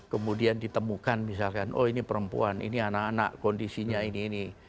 kemudian ditemukan misalkan oh ini perempuan ini anak anak kondisinya ini ini